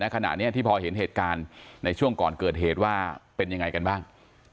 ขณะนี้ที่พอเห็นเหตุการณ์ในช่วงก่อนเกิดเหตุว่าเป็นยังไงกันบ้าง